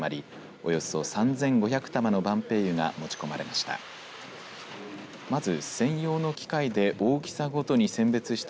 およそ３５００玉の晩白柚が持ち込まれました。